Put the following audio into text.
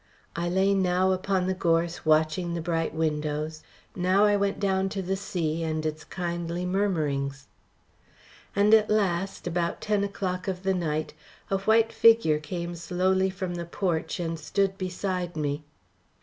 I lay now upon the gorse watching the bright windows. Now I went down to the sea and its kindly murmurings. And at last, about ten o'clock of the night, a white figure came slowly from the porch and stood beside me.